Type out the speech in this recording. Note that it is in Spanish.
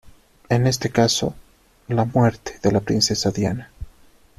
En este caso, la muerte de la princesa Diana.